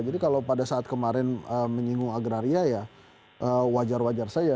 jadi kalau pada saat kemarin menyinggung agraria ya wajar wajar saja